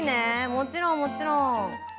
もちろん、もちろん。